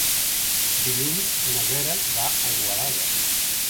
Dilluns na Vera va a Igualada.